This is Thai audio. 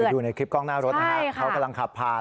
อยู่ในคลิปกล้องหน้ารถนะครับเขากำลังขับผ่าน